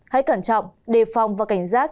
hãy cẩn trọng đề phòng và cảnh giác